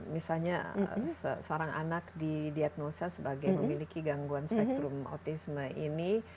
misalnya seorang anak didiagnosa sebagai memiliki gangguan spektrum autisme ini